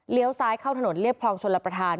เลี้ยวซ้ายเข้าถนนเรียบพรองชนลประธาน